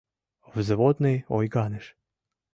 Взводный ойганыш.